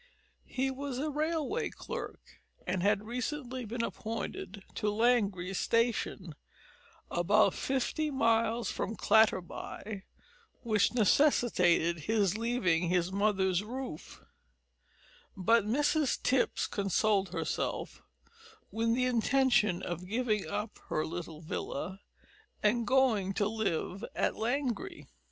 He was a railway clerk, and had recently been appointed to Langrye station, about fifty miles from Clatterby, which necessitated his leaving his mother's roof; but Mrs Tipps consoled herself with the intention of giving up her little villa and going to live at Langrye.